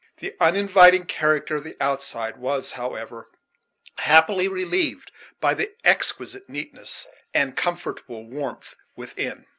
The uninviting character of its outside was, however, happily relieved by the exquisite neatness and comfortable warmth within.